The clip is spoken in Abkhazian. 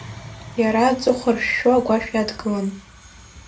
Иара аҵыхәа ршәшәо агәашә иадгылан.